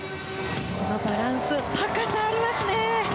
バランス高さありますね。